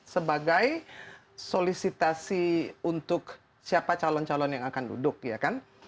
sebagai solisitasi untuk siapa calon calon yang akan duduk ya kan